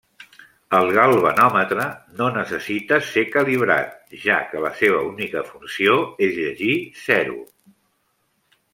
El galvanòmetre no necessita ser calibrat, ja que la seva única funció és llegir zero.